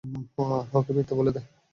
ওকে মিথ্যা বলে দে।